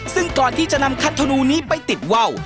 ซึ่งก่อนที่จะนำคัทธนูนี้ไปติดว่าว